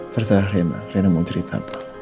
terserah rena rena mau cerita apa